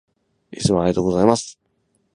いつもありがとうございます。